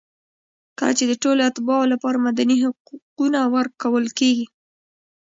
کله چې د ټولو اتباعو لپاره مدني حقونه ورکول کېږي.